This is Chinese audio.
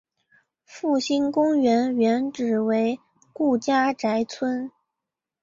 复兴公园原址为顾家宅村。